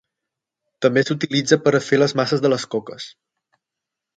També s'utilitza per a fer les masses de les coques.